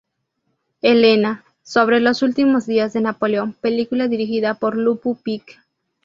Helena", sobre los últimos días de Napoleón, película dirigida por Lupu Pick.